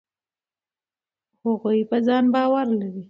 هغوی په ځان باور لري.